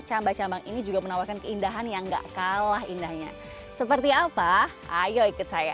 cambacamba ini juga menawarkan keindahan yang gak kalah indahnya seperti apa ayo ikut saya